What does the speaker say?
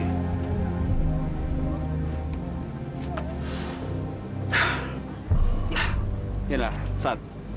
nah yaudah sa